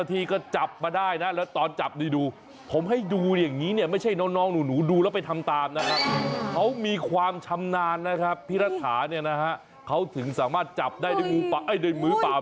สีดำและมีความดุร้ายด้วย